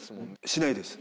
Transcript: しないです。